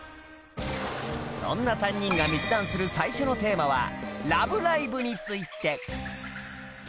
そんな３人が密談する最初のテーマは『ラブライブ！』について